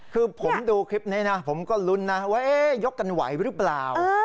คือผมดูคลิปนี้นะผมก็ลุ้นนะว่ายกกันไหวหรือเปล่า